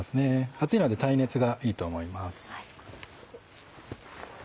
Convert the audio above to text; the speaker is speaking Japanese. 熱いので耐熱がいいと思います。